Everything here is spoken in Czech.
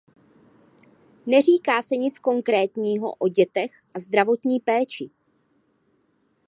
Neříká se nic konkrétního o dětech a zdravotní péči.